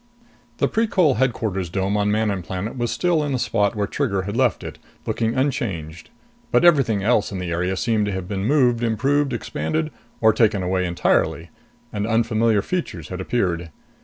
16 The Precol headquarters dome on Manon Planet was still in the spot where Trigger had left it, looking unchanged; but everything else in the area seemed to have been moved, improved, expanded or taken away entirely, and unfamiliar features had appeared.